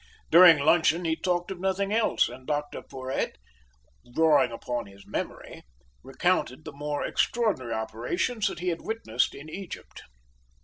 During luncheon he talked of nothing else, and Dr Porhoët, drawing upon his memory, recounted the more extraordinary operations that he had witnessed in Egypt.